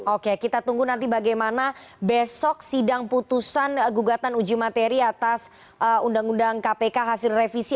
oke kita tunggu nanti bagaimana besok sidang putusan gugatan uji materi atas undang undang kpk hasil revisi